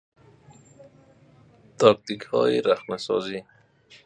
تاکتیکهای رخنهسازی